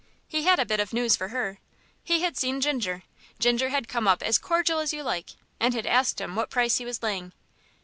He had a bit of news for her. He had seen Ginger; Ginger had come up as cordial as you like, and had asked him what price he was laying.